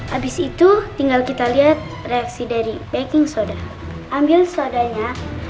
habis itu tinggal kita lihat reaksi dari baking soda ambil sodanya